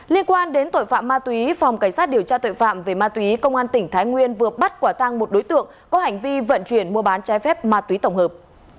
liên quan đến tội phạm ma túy phòng cảnh sát điều tra tội phạm về ma túy công an tỉnh thái nguyên vừa bắt quả tăng một đối tượng có hành vi vận chuyển mua bán trái phép ma túy tổng hợp